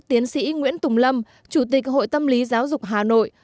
tiến sĩ nguyễn tùng lâm chủ tịch hội tâm lý giáo dục hà nội